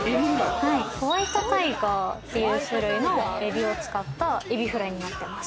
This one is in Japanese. ホワイトタイガーっていう種類のエビを使ったエビフライになってます。